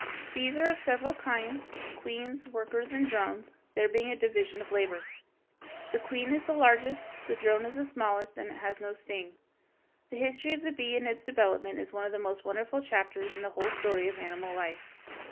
] Bees are of several kinds, queens, workers, and drones, there being a division of labor. The queen is the largest, the drone is the smallest, and it has no sting. The history of the bee and its development is one of the most wonderful chapters in the whole story of animal life.